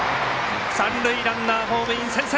三塁ランナー、ホームイン、先制。